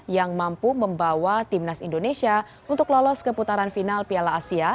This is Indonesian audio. yang mampu membawa timnas indonesia untuk lolos ke putaran final piala asia